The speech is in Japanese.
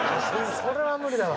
それは無理だわ。